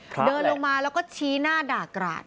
เดินลงมาแล้วก็ชี้หน้าด่ากราด